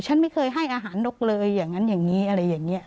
ฉันไม่เคยให้อาหารนกเลยอย่างนั้นอย่างนี้อะไรอย่างนี้